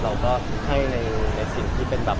เราก็ให้ในสิ่งที่เป็นแบบ